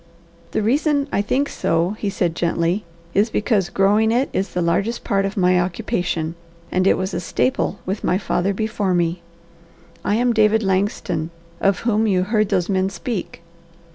"The reason I think so," he said gently, "is because growing it is the largest part of my occupation, and it was a staple with my father before me. I am David Langston, of whom you heard those men speak.